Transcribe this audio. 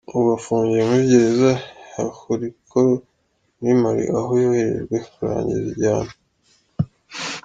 Ubu afungiye muri gereza ya Koulikoro muri Mali, aho yoherejwe kurangiriza igihano.